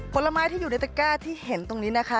ผลไม้ที่อยู่ในตะก้าที่เห็นตรงนี้นะคะ